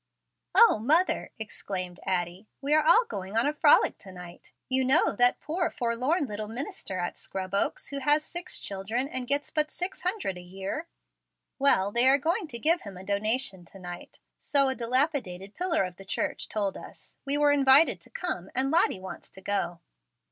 "O, mother," exclaimed Addie, "we are all going on a frolic to night. You know that poor, forlorn little minister at Scrub Oaks, who has six children, and gets but six hundred a year? Well, they are going to give him a donation to night, so a dilapidated pillar of the church told us. We were invited to come, and Lottie wants to go."